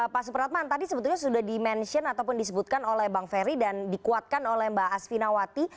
pak supratman tadi sebetulnya sudah di mention ataupun disebutkan oleh bang ferry dan dikuatkan oleh mbak asvinawati